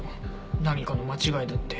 何かの間違いだって。